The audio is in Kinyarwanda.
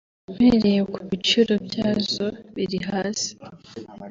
Mpereye ku biciro byazo biri hasi